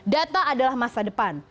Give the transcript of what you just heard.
data adalah masa depan